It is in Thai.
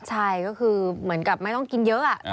ใช่ก็คือเหมือนกับไม่ต้องกินเยอะ